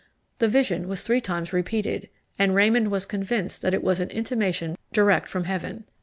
The vision was three times repeated, and Raymond was convinced that it was an intimation direct from heaven.